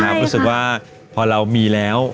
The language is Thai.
รู้สึกว่าพอเรามีแล้ว